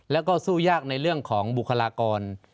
แล้วก็สู้ยากในเรื่องของบุคลากร